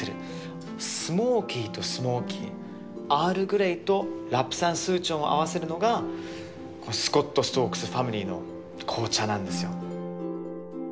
スモーキーとスモーキーアールグレイとラプサンスーチョンを合わせるのがスコット＝ストークス・ファミリーの紅茶なんですよ。